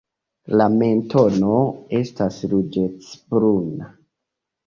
La mentono estas ruĝecbruna.